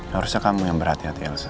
harusnya kamu yang berhati hati elsa